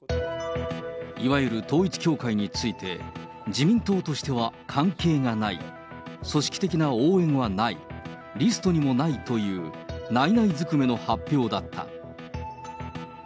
いわゆる統一教会について、自民党としては関係がない、組織的な応援はない、リストにもないという、ないないづくめの発表だった。